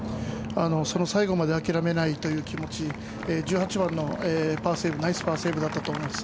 その最後まで諦めないという気持ち１８番のパーセーブナイスパーセーブだったと思います。